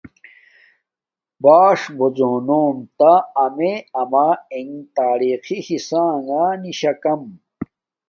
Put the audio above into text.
باݽ بوزونوم تہ امیے اما اݸنݣ تاریخی حصہ نݣ نشنݣ